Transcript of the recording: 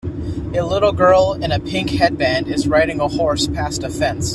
A little girl with a pink headband is riding a horse past a fence.